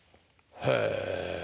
へえ！